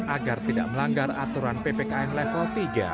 agar tidak melanggar aturan ppkm level tiga